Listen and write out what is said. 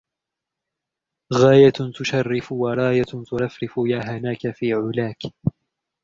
غايةٌ تُـشَــرِّفُ ورايـةٌ ترَفـرِفُ يا هَـــنَــاكْ فـي عُـــلاكْ